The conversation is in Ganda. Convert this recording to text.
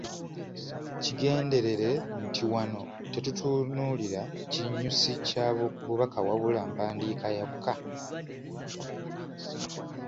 Kigenderere nti wano tetutunuulira kinyusi kya bubaka wabula mpandiika yokka.